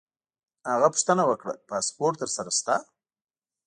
هغه پوښتنه وکړه: پاسپورټ در سره شته؟